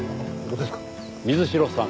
水城さん。